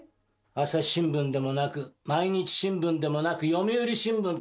朝日新聞でもなく毎日新聞でもなく読売新聞だ。